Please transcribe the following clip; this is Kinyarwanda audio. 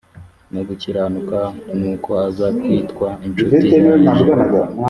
no gukiranuka nuko aza kwitwa incuti ya yehova